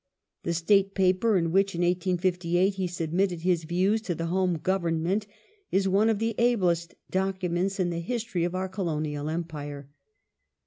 The State Paper in which, in 1858, he submitted his views to the Home Government is one of the ablest documents in the history of our Colonial Empire.